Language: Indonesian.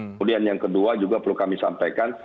kemudian yang kedua juga perlu kami sampaikan